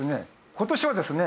今年はですね